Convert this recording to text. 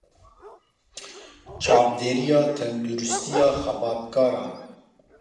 Çavdêriya Tenduristiya Xebatkaran